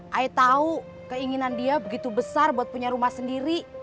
tahu keinginan dia begitu besar buat punya rumah sendiri